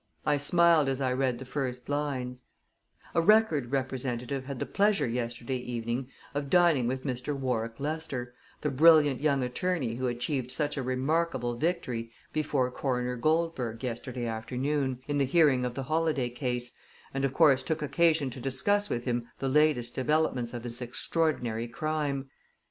I smiled as I read the first lines: A Record representative had the pleasure, yesterday evening, of dining with Mr. Warwick Lester, the brilliant young attorney who achieved such a remarkable victory before Coroner Goldberg yesterday afternoon, in the hearing of the Holladay case, and, of course, took occasion to discuss with him the latest developments of this extraordinary crime.